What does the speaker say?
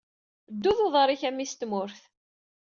Ddu d uḍaṛ-ik a mmi-s n tmurt!